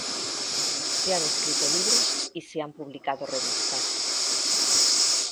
Se han escrito libros y se han publicado revistas.